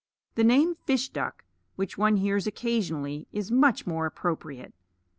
The name fish duck, which one hears occasionally, is much more appropriate.